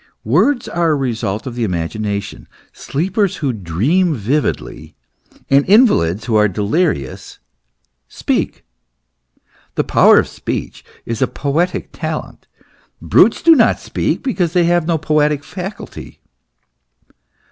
Words are a result of the imagination. Sleepers who dream vividly, and invalids who are delirious, speak. The power of speech is a poetic talent. Brutes do not speak Because they have no poetic faculty.